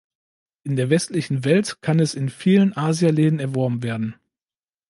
In der westlichen Welt kann es in vielen Asia-Läden erworben werden.